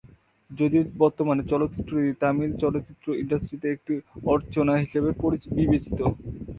যদিও বর্তমানে চলচ্চিত্রটি তামিল চলচ্চিত্র ইন্ডাস্ট্রিতে একটি 'অর্চনা' হিসেবে বিবেচিত।